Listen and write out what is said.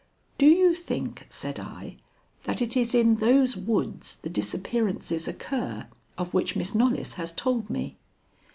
"Do you think," said I, "that it is in those woods the disappearances occur of which Miss Knollys has told me?"